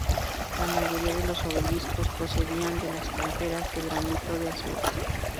La mayoría de los obeliscos procedían de las canteras de granito de Asuán.